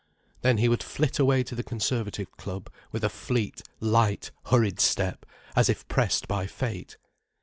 Then he would flit away to the Conservative Club, with a fleet, light, hurried step, as if pressed by fate.